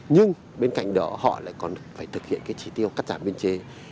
nhưng bên cạnh đó họ lại còn phải thực hiện cái chỉ tiêu cắt giảm biên chế